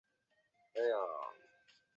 日本动画协会正式会员。